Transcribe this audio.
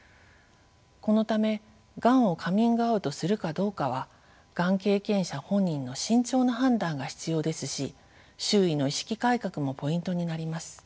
このためがんをカミングアウトするかどうかはがん経験者本人の慎重な判断が必要ですし周囲の意識改革もポイントになります。